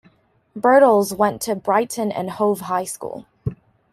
Birtles went to "Brighton and Hove High School".